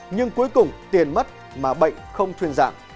nhưng cuối cùng tiền mất mà bệnh không thuyên giảm